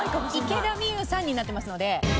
「池田美優さん」になってますので。